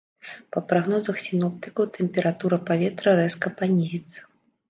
Па прагнозах сіноптыкаў, тэмпература паветра рэзка панізіцца.